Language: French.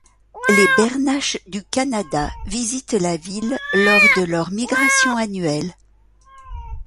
Les bernaches du Canada visitent la ville lors de leurs migrations annuelles.